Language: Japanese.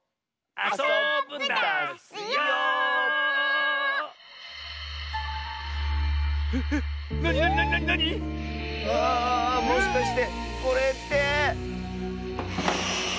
あもしかしてこれって。